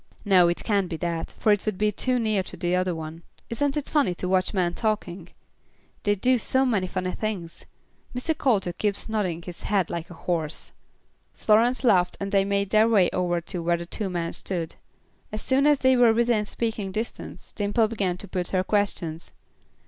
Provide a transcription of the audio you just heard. No, it can't be that, for it would be too near the other one. Isn't it funny to watch men talking? They do so many funny things. Mr. Coulter keeps nodding his head like a horse." Florence laughed and they made their way over to where the two men stood. As soon as they were within speaking distance, Dimple began to put her questions.